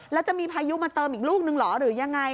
แล้วจะมีพายุมาเติมอีกลูกนึงเหรอหรือยังไง